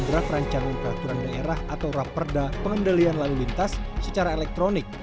draft rancangan peraturan daerah atau raperda pengendalian lalu lintas secara elektronik